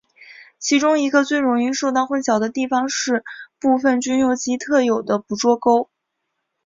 其中一个最容易受到混淆的地方是部份军用机特有的捕捉勾。